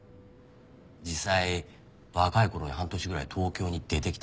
実際若い頃に半年ぐらい東京に出てきたんや。